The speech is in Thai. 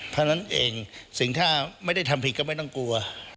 เท่านั้นเองสิ่งที่ไม่ได้ทำผิดก็ไม่ต้องกลัว